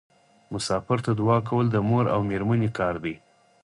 مسافر ته دعا کول د مور او میرمنې کار دی.